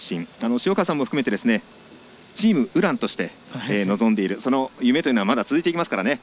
塩川さんも含めてチーム優蘭として臨んでいるその夢というのはまだ続いていきますからね。